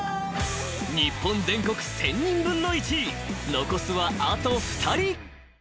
［『日本全国１０００人分の１位』残すはあと２人］